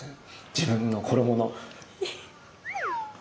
自分の衣の。